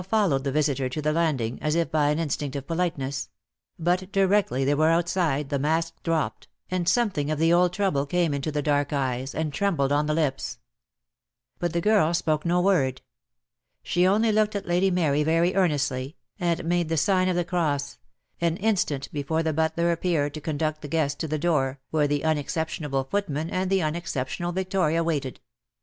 15 I followed the visitor to the landing, as if by an instinct of politeness; but directly they were out side the mask dropped, and something of the old trouble came into the dark eyes, and trembled on the lips. But the girl spoke no word. She only looked at Lady Mary very earnestly, and made the sign of the cross, an instant before the butler appeared to conduct the guest to the door, where the unex ceptionable footman and the unexceptionable Victoria waited.